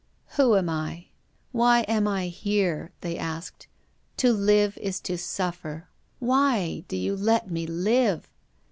" Who am I ? Why am I here ?" they asked. " To live is to suflfer ; why do you let me live